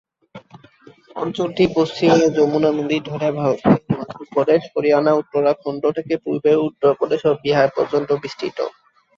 অঞ্চলটি পশ্চিমে যমুনা নদী ধরে ভারতের হিমাচল প্রদেশ, হরিয়ানা, উত্তরাখণ্ড থেকে পূর্বে উত্তরপ্রদেশ ও বিহার পর্যন্ত বিস্তৃত।